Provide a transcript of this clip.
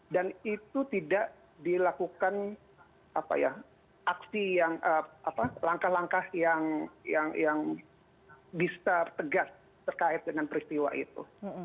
dan itu tidak dilakukan langkah langkah yang bisa tegas terkait dengan peristiwa itu